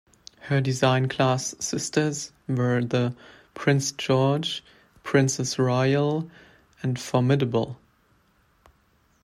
Her design class sisters were the "Prince George", "Princess Royal", and "Formidable".